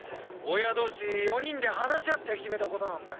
親同士４人で話し合って決めた事なんだけどよ。